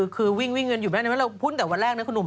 คือวิ่งเงินอยู่ไหมเราพูดแต่วันแรกนะคุณหนุ่ม